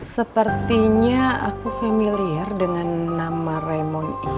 sepertinya aku familiar dengan nama raimon ini